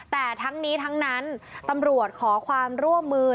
แต่ทั้งนี้ทั้งนั้นตำรวจขอความร่วมมือ